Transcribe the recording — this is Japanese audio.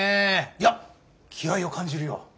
いや気合いを感じるよ。